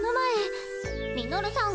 ミノルさん合格！